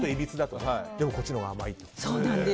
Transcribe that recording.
でもこっちのほうが甘いと。